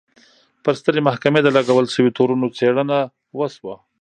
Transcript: پر سترې محکمې د لګول شویو تورونو څېړنه وشوه.